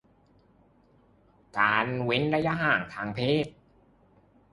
การเว้นระยะห่างทางสังคม